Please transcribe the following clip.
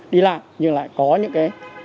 đi lại nhưng lại có những cái